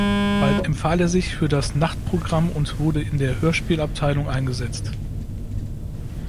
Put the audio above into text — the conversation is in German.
Bald empfahl er sich für das Nachtprogramm und wurde in der Hörspielabteilung eingesetzt.